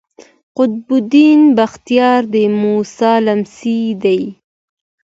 قطب الدین بختیار د موسی لمسی دﺉ.